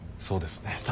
そうですね